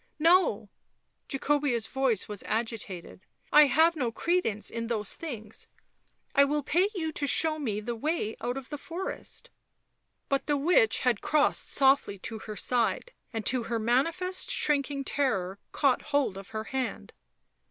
" No !" Jacobea's voice was agitated. " I have no eredence in those things. I will pay you to show me the way out of the forest." But the witch had crossed softly to her side, and, to her manifest shrinking terror, caught hold of her hand.